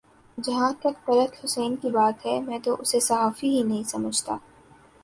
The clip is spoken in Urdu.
جہاں تک طلعت حسین کی بات ہے میں تو اسے صحافی ہی نہیں سمجھتا